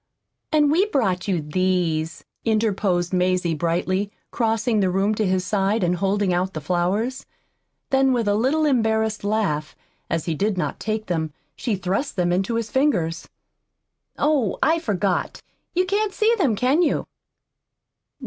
"And we brought you these," interposed Mazie brightly, crossing the room to his side and holding out the flowers. Then, with a little embarrassed laugh, as he did not take them, she thrust them into his fingers. "Oh, I forgot. You can't see them, can you?"